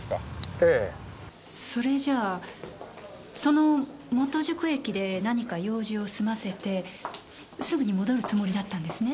ええ。それじゃあその本宿駅で何か用事を済ませてすぐに戻るつもりだったんですね？